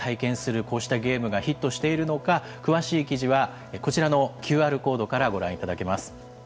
こうしたゲームがヒットしているのか、詳しい記事はこちらのＱＲコードからご覧いただけます。